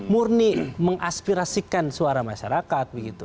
murni mengaspirasikan suara masyarakat